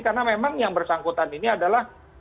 karena memang yang bersangkutan ini adalah